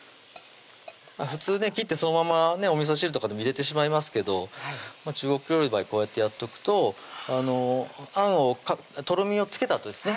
普通ね切ってそのままねおみそ汁とかでも入れてしまいますけど中国料理の場合こうやってやっとくとあんをとろみをつけたあとですね